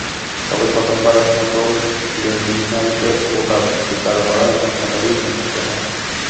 তবে প্রথমবারের মতো প্রিলিমিনারিতে কোটা-পদ্ধতি চালু করায় অনেক মেধাবী বঞ্চিত হন।